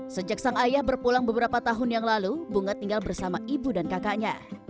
sejak sang ayah berpulang beberapa tahun yang lalu bunga tinggal bersama ibu dan kakaknya